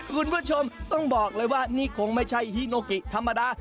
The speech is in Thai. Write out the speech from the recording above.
คุณผู้ชมต้องบอกเลยว่านี่คงไม่ใช่ฮีโนกิธรรมดา